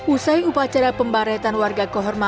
usai upacara pembaretan warga kehormatan